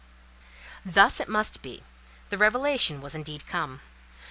Thus it must be. The revelation was indeed come.